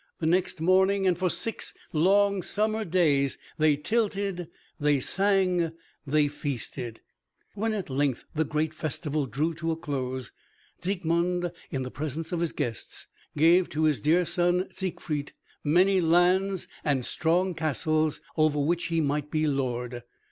The next morning, and for six long summer days, they tilted, they sang, they feasted. When at length the great festival drew to a close, Siegmund in the presence of his guests gave to his dear son Siegfried many lands and strong castles over which he might be lord.